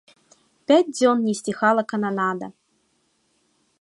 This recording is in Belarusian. Пяць дзён не сціхала кананада.